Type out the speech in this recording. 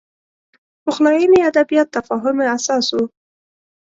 پخلاینې ادبیات تفاهم اساس و